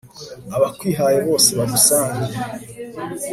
abakwihaye bose bagusange